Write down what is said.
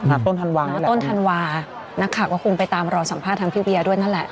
ต้นธันวานะต้นธันวานักข่าวก็คงไปตามรอสัมภาษณ์ทางพี่เวียด้วยนั่นแหละ